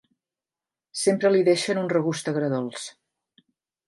Sempre li deixen un regust agredolç.